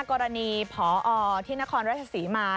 กรณีผอที่นครราชศรีมา